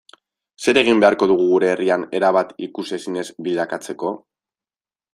Zer egin beharko dugu gure herria erabat ikusezin ez bilakatzeko?